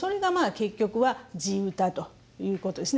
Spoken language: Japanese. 結局は地唄ということですね